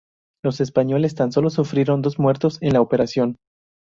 Los españoles tan sólo sufrieron dos muertos en la operación.